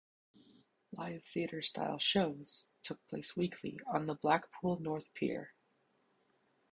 Live theatre style shows took place weekly on the Blackpool North Pier.